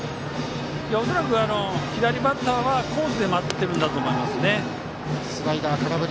恐らく、左バッターはコースで待っているんだと思います。